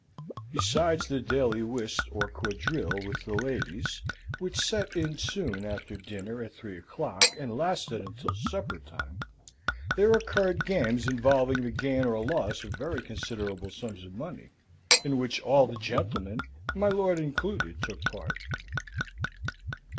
Besides the daily whist or quadrille with the ladies, which set in soon after dinner at three o'clock, and lasted until supper time, there occurred games involving the gain or loss of very considerable sums of money, in which all the gentlemen, my lord included, took part.